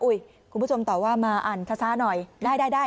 อุ๊ยคุณผู้ชมตอบว่ามาอ่านภาษาหน่อยได้ได้ได้